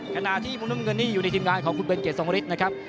ขณะที่มุมเงินนี่อยู่ในทีมงานของคุณเบนเกียร์สงฤษนะครับ